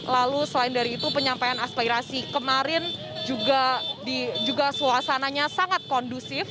lalu selain dari itu penyampaian aspirasi kemarin juga suasananya sangat kondusif